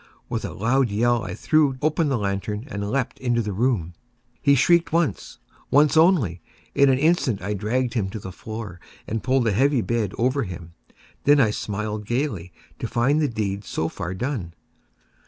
With a loud yell, I threw open the lantern and leaped into the room. He shrieked once—once only. In an instant I dragged him to the floor, and pulled the heavy bed over him. I then smiled gaily, to find the deed so far done.